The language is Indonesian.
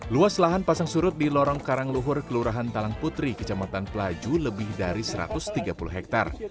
luas lahan pasang surut di lorong karangluhur kelurahan talang putri kecamatan pelaju lebih dari satu ratus tiga puluh hektare